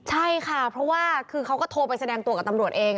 ใช่ค่ะเพราะว่าคือเขาก็โทรไปแสดงตัวกับตำรวจเอง